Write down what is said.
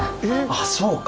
ああそうか。